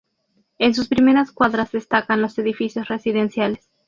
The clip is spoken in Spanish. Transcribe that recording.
En sus primeras cuadras destacan los edificios residenciales.